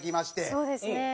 そうですね。